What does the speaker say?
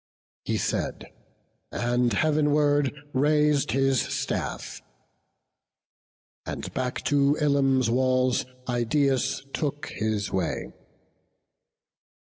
He said: and heav'nward rais'd his staff; and back To Ilium's walls Idaeus took his way.